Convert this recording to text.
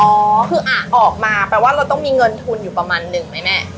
ออกมาแปลว่าเราต้องมีเงินทุนอยู่ประมาณหนึ่งไหมแม่